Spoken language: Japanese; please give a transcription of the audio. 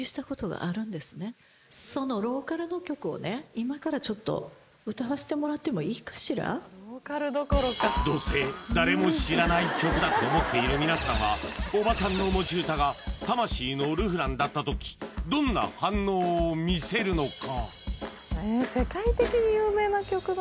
今からちょっと「どうせ誰も知らない曲だ」と思っているみなさんはおばさんの持ち歌が「魂のルフラン」だった時どんな反応を見せるのか？